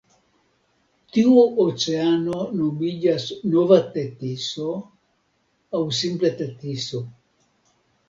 Tiu oceano nomiĝas Nova Tetiso aŭ simple Tetiso.